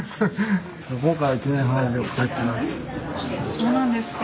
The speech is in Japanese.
そうなんですか。